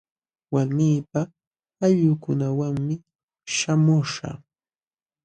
Walmiipaq ayllunkunawanmi śhamuśhaq.